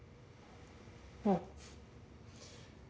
うん。